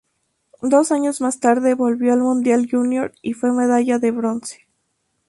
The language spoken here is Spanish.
Dos años más tarde volvió al Mundial Junior y fue medalla de bronce.